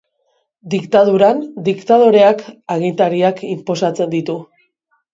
Diktaduran diktadoreak agintariak inposatzen ditu.